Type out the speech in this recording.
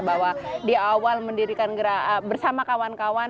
bahwa di awal mendirikan gerakan bersihkan diri dan juga menjaga kepentingan